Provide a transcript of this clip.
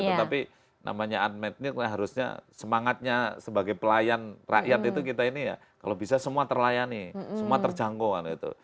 tetapi namanya unmetnik harusnya semangatnya sebagai pelayan rakyat itu kita ini ya kalau bisa semua terlayani semua terjangkau karena itu